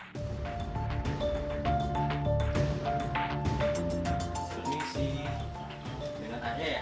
ini sih dengan adanya ya